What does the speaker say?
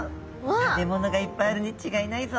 食べ物がいっぱいあるに違いないぞ」と。